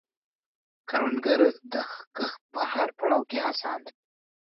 کروندګر د کښت په هر پړاو کې هڅاند دی